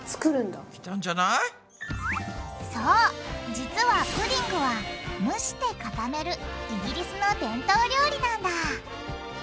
実はプディングは蒸して固めるイギリスの伝統料理なんだ！